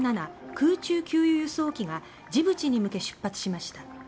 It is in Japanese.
空中給油輸送機がジブチに向け出発しました。